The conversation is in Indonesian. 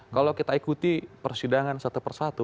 kalau kita ikuti persidangan satu per satu